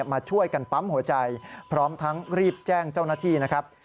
มาช่วยกันปั๊มหัวใจพร้อมทั้งรีบแจ้งเจ้าหน้าที่นะครับ